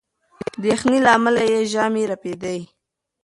د یخنۍ له امله یې ژامې رپېدې.